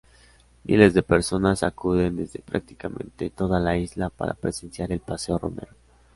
Miles de personas acuden desde prácticamente toda la isla para presenciar el paseo romero.